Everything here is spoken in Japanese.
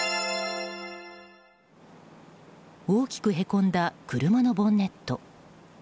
大きくへこんだ車のボンネット。